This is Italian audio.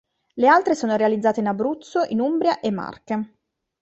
Le altre sono realizzate in Abruzzo, in Umbria e Marche.